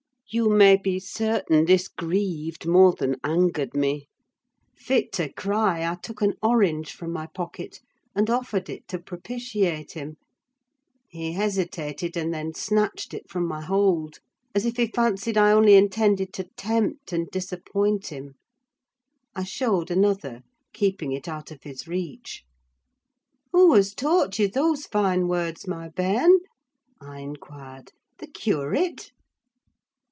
You may be certain this grieved more than angered me. Fit to cry, I took an orange from my pocket, and offered it to propitiate him. He hesitated, and then snatched it from my hold; as if he fancied I only intended to tempt and disappoint him. I showed another, keeping it out of his reach. "Who has taught you those fine words, my bairn?" I inquired. "The curate?"